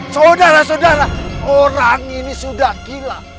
saudara saudara orang ini sudah gila